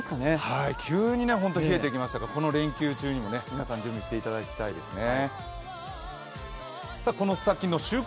はい、急に冷えてきましたから、この連休中にも、皆さん準備していただきたいですね。